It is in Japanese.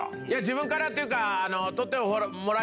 自分からっていうか。